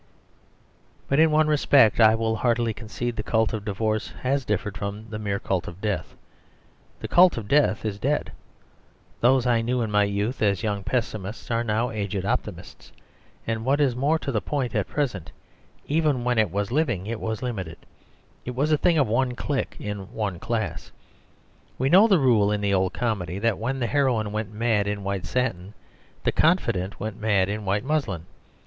But in one respect, I will heartily concede, the cult of divorce has differed from the mere cult of death. The cult of death is dead. Those I knew in my youth as young pessi mists are now aged optimists. And, what is more to the point at present, even when it was living it was limited; it was a thing of one clique in one class. We know the rule in the old comedy, that when the heroine went mad in white satin, the confidante went mad in white muslin.